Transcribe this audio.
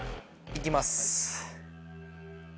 行きます。